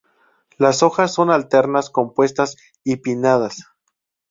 Las hojas son alternas, compuestas y pinnadas.